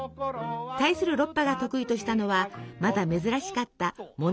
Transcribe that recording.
対するロッパが得意としたのはまだ珍しかったモノマネなどの話芸。